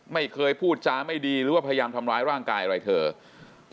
ไม่เคยพูดจาไม่ดีหรือว่าพยายามทำร้ายร่างกายอะไรเธอ